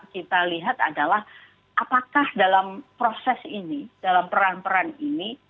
kita lihat adalah apakah dalam proses ini dalam peran peran ini